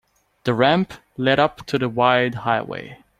The ramp led up to the wide highway.